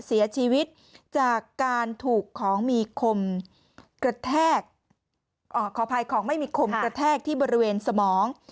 เสียชีวิตจากการถูกของมีคมกระแทกขออภัยของไม่มีคมกระแทกที่บริเวณสมอง